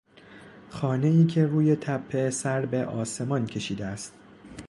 خانهای که روی تپه سربه آسمان کشیده است